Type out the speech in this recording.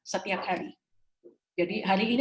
setiap hari jadi hari ini